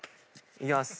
いきます。